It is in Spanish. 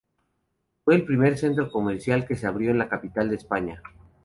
Fue el primer centro comercial que se abrió en la capital de España.